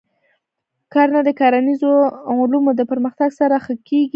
کرنه د کرنیزو علومو د پرمختګ سره ښه کېږي.